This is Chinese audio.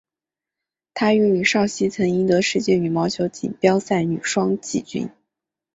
她与李绍希曾赢得世界羽毛球锦标赛女双季军。